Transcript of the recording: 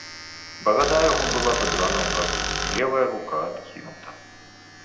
Барада яго была задрана ўгару, і левая рука адкінута.